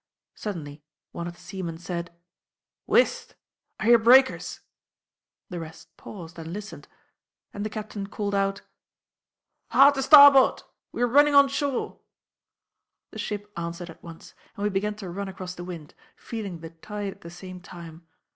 Suddenly one of the seamen said: "Whist! I hear breakers!" The rest paused and listened, and the captain called out: "Hard to starboard; we are running on shore!" The ship answered at once, and we began to run across the wind, feeling the tide at the same time.